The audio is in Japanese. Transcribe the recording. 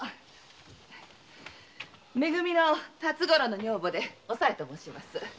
「め組」の辰五郎の女房で“おさい”と申します。